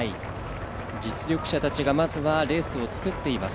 実力者たちがまずはレースを作っています。